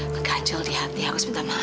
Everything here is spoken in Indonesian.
ngeganjol di hati harus minta maaf ma